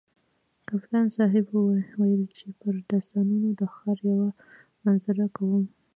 کپتان صاحب ویل چې پر استادانو د ښار یوه منظره کوم.